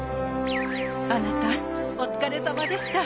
あなたお疲れさまでした。